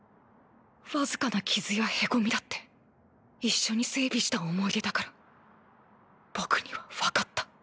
僅かな傷やへこみだって一緒に整備した思い出だから僕にはわかった。